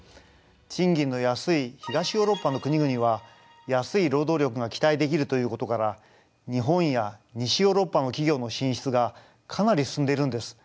賃金の安い東ヨーロッパの国々は安い労働力が期待できるということから日本や西ヨーロッパの企業の進出がかなり進んでいるんです。